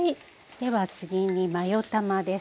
では次にマヨ卵です。